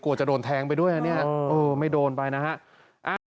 กลัวจะโดนแทงไปด้วยอ่ะเนี่ยไม่โดนไปนะฮะ